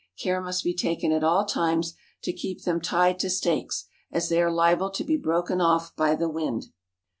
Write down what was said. Care must be taken at all times to keep them tied to stakes, as they are liable to be broken off by the wind."